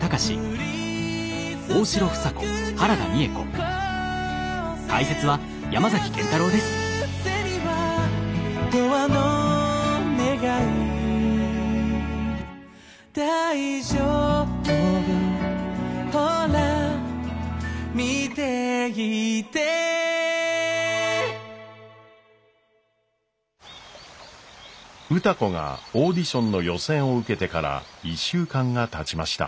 歌子がオーディションの予選を受けてから１週間がたちました。